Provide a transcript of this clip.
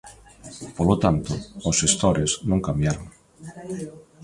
Polo tanto, os xestores non cambiaron.